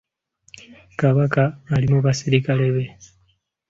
Kabaka ali mu basirikale be.